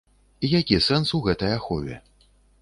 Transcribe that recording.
Які сэнс у гэтай ахове?